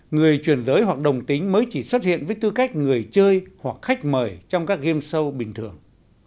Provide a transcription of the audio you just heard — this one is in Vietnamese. người truyền giới hoặc đồng tính mới chỉ xuất hiện với tư cách người chơi hoặc khách mời trong các game show bình thường